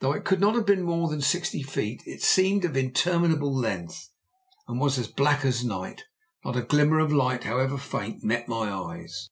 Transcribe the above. Though it could not have been more than sixty feet, it seemed of interminable length, and was as black as night. Not a glimmer of light, however faint, met my eyes.